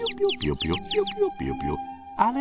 あれ？